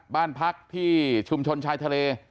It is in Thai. บ้านพักที่ชุมชนชายทะเล